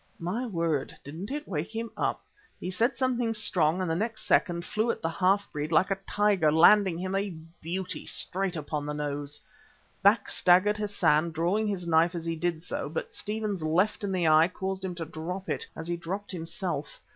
My word! didn't it wake him up. He said something strong, and the next second flew at the half breed like a tiger, landing him a beauty straight upon the nose. Back staggered Hassan, drawing his knife as he did so, but Stephen's left in the eye caused him to drop it, as he dropped himself.